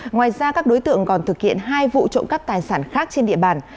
ngoài ra các đối tượng còn thực hiện hai vụ trộm cắp tài sản khác trên địa bàn